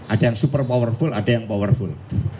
ada yang super powerful ada yang powerful